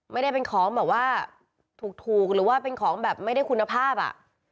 ไม่ได้เป็นของแบบว่าถูกหรือว่าเป็นของแบบไม่ได้คุณภาพอ่ะ